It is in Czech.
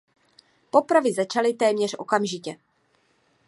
Popravy začaly téměř okamžitě.